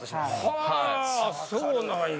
はそうなんや。